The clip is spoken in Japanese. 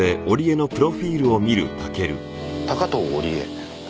高塔織絵。